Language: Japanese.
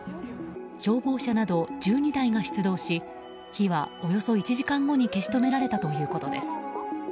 消防車など１２台が出動し火はおよそ１時間後に消し止められたということです。